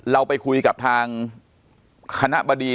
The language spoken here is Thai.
เราไปคุยกับทางคณะบดี